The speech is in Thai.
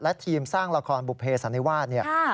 และทีมสร้างละครบุภีสันนิวาส